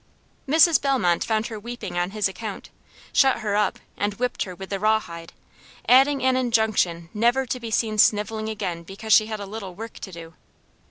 Mrs. Bellmont found her weeping on his account, shut her up, and whipped her with the raw hide, adding an injunction never to be seen snivelling again because she had a little work to do.